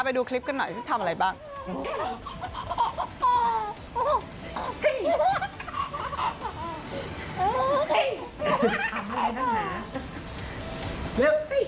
ไปดูคลิปกันหน่อยฉันทำอะไรบ้าง